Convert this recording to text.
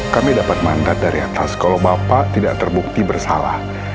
kami dapat mandat dari atas kalau bapak tidak terbukti bersalah